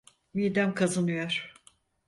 Midem kazınıyor.